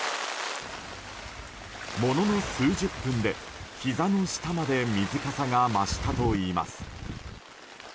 ものの数十分で、ひざの下まで水かさが増したといいます。